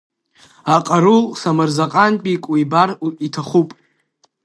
Аҟарул самырзаҟантәык уибар иҭахуп.